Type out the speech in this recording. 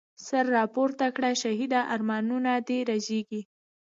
سر راپورته کړه شهیده، ارمانونه دي رژیږی